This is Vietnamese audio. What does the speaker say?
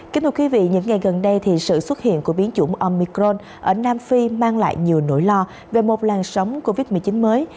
kính thưa quý vị những ngày gần đây thì sự xuất hiện của biến chủng omicron ở nam phi mang lại nhiều nỗi lo về một làn sóng covid một mươi chín mới